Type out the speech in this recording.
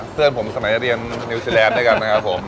เพื่อนผมสมัยเรียนนิวซีแลนด์ด้วยกันนะครับผม